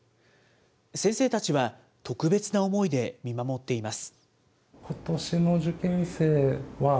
先生たちは特別な思いで見守っています。